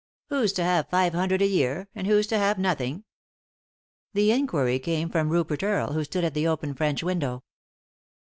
"Who's to have five hundred a year ? And who's to have nothing ?" The inquiry came from Rupert Earle, who stood at the open French window.